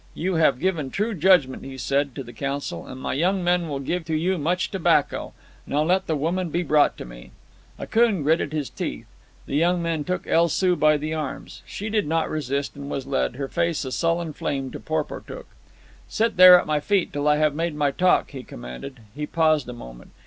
"You have given true judgment," he said to the council, "and my young men will give to you much tobacco. Now let the woman be brought to me." Akoon gritted his teeth. The young men took El Soo by the arms. She did not resist, and was led, her face a sullen flame, to Porportuk. "Sit there at my feet till I have made my talk," he commanded. He paused a moment.